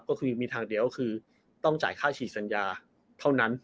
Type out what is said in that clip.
ก็คือมีทางเดียวก็คือต้องจ่ายค่าฉีดสัญญาเท่านั้น